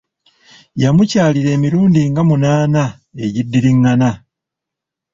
Yamukyalira emirundi nga munaana egidiringana.